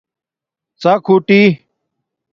ڎک ہوٹی